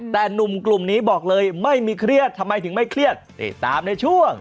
แต่หนุ่มกลุ่มนี้บอกเลยไม่มีเครียดทำไมถึงไม่เครียดนี่ตามในช่วง